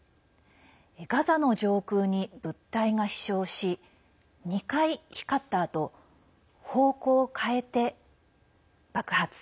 ガザの上空に物体が飛しょうし２回光ったあと方向を変えて爆発。